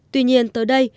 tuy nhiên tới đây